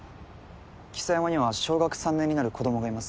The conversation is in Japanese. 象山には小学３年になる子どもがいます。